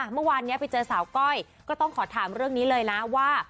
เมื่อวานนี้ไปเจอสาวก้อยก็ต้องขอถามเรื่องนี้เลยนะว่า